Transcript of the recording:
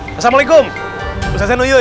assalamualaikum ustadz januyuy